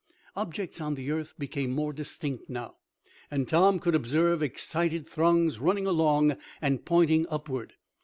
Objects on the earth became more distinct now, and Tom could observe excited throngs running along and pointing upward.